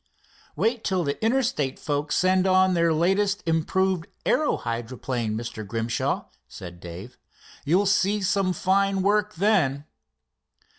"Wait till the Interstate folks send on their latest improved aero hydroplane, Mr. Grimshaw," said Dave. "You'll see some fine work then."